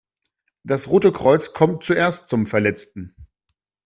Das Rote Kreuz kommt zuerst zum Verletzten.